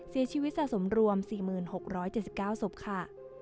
เสียชีวิตสะสมรวม๔๖๗๙๐ค่ะ